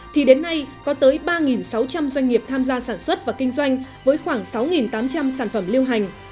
thì đến nay có tới ba sáu trăm linh doanh nghiệp tham gia sản xuất và kinh doanh với khoảng sáu tám trăm linh sản phẩm lưu hành